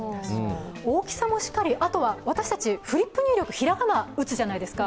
大きさもしかり、あとは私たちフリック入力、ひらがなを打つじゃないですか。